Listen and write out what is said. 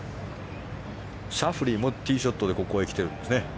シャフリーもティーショットでここに来てるんですね。